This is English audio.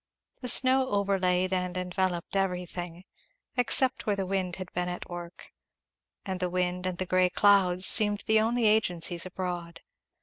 The snow overlaid and enveloped everything, except where the wind had been at work; and the wind and the grey clouds seemed the only agencies abroad.